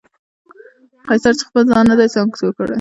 قیصر چې خپل ځان نه دی سانسور کړی.